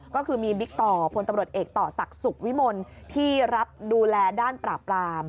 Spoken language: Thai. ก็คือมีบิ๊กต่อพลตำรวจเอกต่อศักดิ์สุขวิมลที่รับดูแลด้านปราบราม